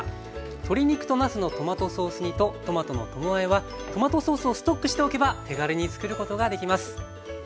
鶏肉となすのトマトソース煮とトマトのともあえはトマトソースをストックしておけば手軽につくることができます。